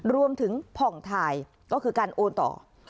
รวมถึงผ่องทายก็คือการโวนต่อครับ